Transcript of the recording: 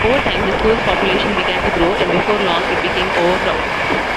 Over time, the school's population began to grow, and before long, it became overcrowded.